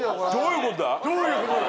・どういうことだ？